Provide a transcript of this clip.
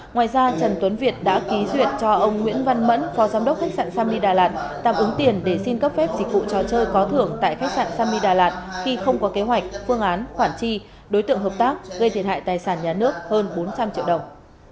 ngoài ra trần tuấn việt đã ký duyệt cho ông nguyễn văn mẫn phó giám đốc khách sạn somi đà lạt tạm ứng tiền để xin cấp phép dịch vụ trò chơi có thưởng tại khách sạn sami đà lạt khi không có kế hoạch phương án khoản chi đối tượng hợp tác gây thiệt hại tài sản nhà nước hơn bốn trăm linh triệu đồng